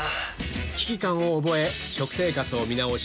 危機感を覚え食生活を見直し